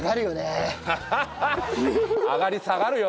あがり下がるよ。